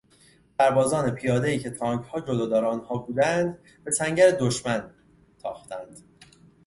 سربازان پیادهای که تانکها جلودار آنها بودند به سنگر دشمن تاختند.